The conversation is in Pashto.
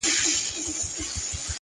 کمالونه چي د هري مرغۍ ډیر وي -